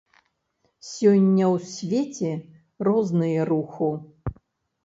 Сёння ў свеце розныя руху.